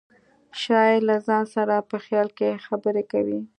شاعر له ځان سره په خیال کې خبرې کوي